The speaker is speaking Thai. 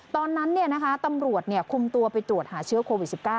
ตอนนั้นตำรวจคุมตัวไปตรวจหาเชื้อโควิด๑๙